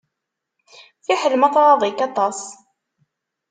Fiḥel ma tɣaḍ-ik aṭas.